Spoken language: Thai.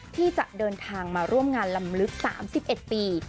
ที่จะเดินทางมาร่วมงานลำลึก๓๑ปี